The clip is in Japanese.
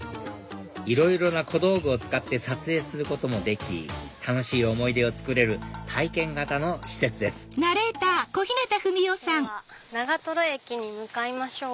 いろいろな小道具を使って撮影することもでき楽しい思い出を作れる体験型の施設ですでは長駅に向かいましょう。